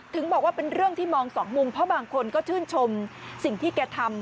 ถึงบอกว่าเป็นเรื่องที่มองสองมุมเพราะบางคนก็ชื่นชมสิ่งที่แกทำ